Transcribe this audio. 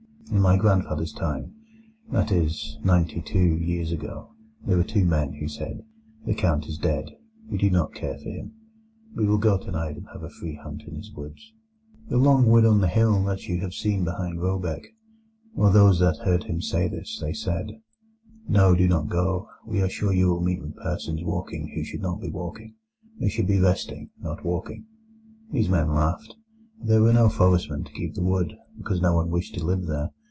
In my grandfather's time—that is, ninety two years ago—there were two men who said: 'The Count is dead; we do not care for him. We will go tonight and have a free hunt in his wood'—the long wood on the hill that you have seen behind Råbäck. Well, those that heard them say this, they said: 'No, do not go; we are sure you will meet with persons walking who should not be walking. They should be resting, not walking.' These men laughed. There were no forestmen to keep the wood, because no one wished to live there.